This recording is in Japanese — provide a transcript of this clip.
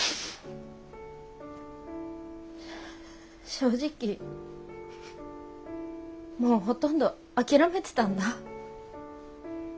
正直もうほとんど諦めてたんだ。